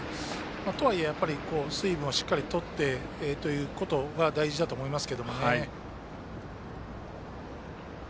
とはいえ、水分をしっかりとってということが大事だと思います。